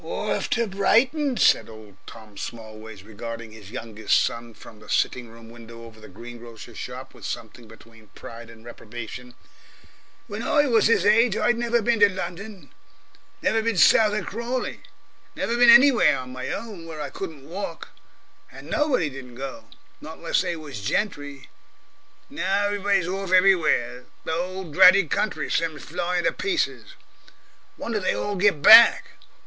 "Orf to Brighton!" said old Smallways, regarding his youngest son from the sitting room window over the green grocer's shop with something between pride and reprobation. "When I was 'is age, I'd never been to London, never bin south of Crawley never bin anywhere on my own where I couldn't walk. And nobody didn't go. Not unless they was gentry. Now every body's orf everywhere; the whole dratted country sims flying to pieces. Wonder they all get back.